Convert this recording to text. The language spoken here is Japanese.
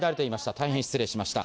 大変失礼しました。